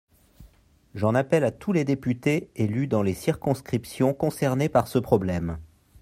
J’en appelle à tous les députés élus dans les circonscriptions concernées par ce problème.